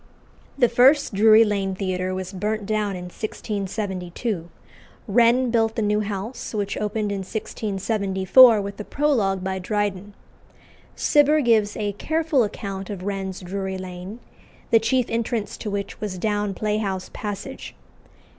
The first Drury Lane Theatre was burnt down in 1672. Wren built the new house, which opened in 1674 with a prologue by Dryden. Cibber gives a careful account of Wren's Drury Lane, the chief entrance to which was down Playhouse Passage.